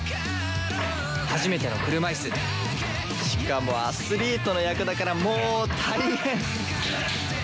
初めての車いすしかもアスリートの役だからもう大変！